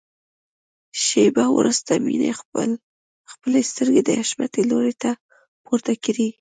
شېبه وروسته مينې خپلې سترګې د حشمتي لوري ته پورته کړې.